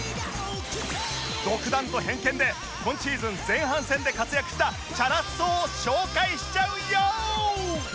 独断と偏見で今シーズン前半戦で活躍したチャラッソを紹介しちゃうよ！